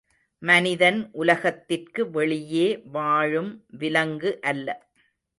மனிதன் உலகத்திற்கு வெளியே வாழும் விலங்கு அல்ல.